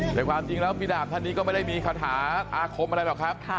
แต่ความจริงแล้วพี่ดาบท่านนี้ก็ไม่ได้มีคาถาอาคมอะไรหรอกครับ